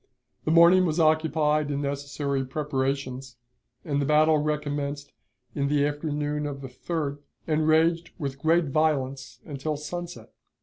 The morning was occupied in necessary preparations, and the battle recommenced in the afternoon of the 3d, and raged with great violence until sunset.